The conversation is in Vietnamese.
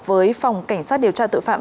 với phòng cảnh sát điều tra tự phạm